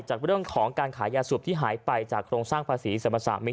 จากเรื่องของการขายยาสูบที่หายไปจากโครงสร้างภาษีสรรพสามิตร